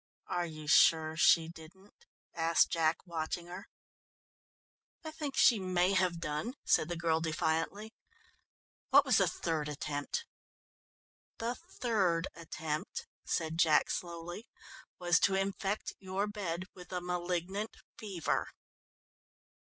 "Are you sure she didn't?" asked Jack, watching her. "I think she may have done," said the girl defiantly; "what was the third attempt?" "The third attempt," said Jack slowly, "was to infect your bed with a malignant fever."